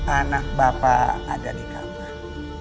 anak bapak ada di kamar